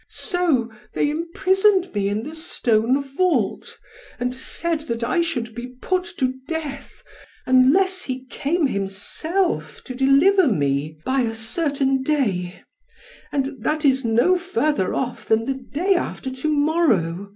So they imprisoned me in the stone vault, and said that I should be put to death, unless he came himself, to deliver me, by a certain day; and that is no further off, than the day after to morrow.